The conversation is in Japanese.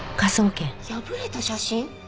破れた写真！？